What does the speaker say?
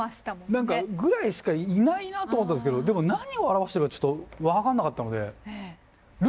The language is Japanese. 何かぐらいしかいないなと思ったんすけどでも何を表してるのかちょっと分かんなかったので。